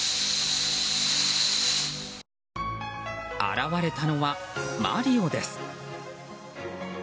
現れたのは、マリオです。